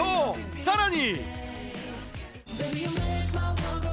さらに。